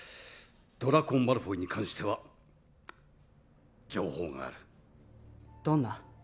ドラコ・マルフォイに関しては情報があるどんな？